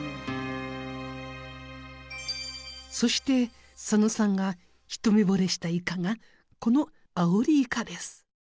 そして佐野さんが一目ぼれしたイカがこのアオリイカです。